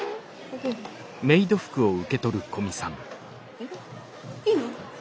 えっいいの？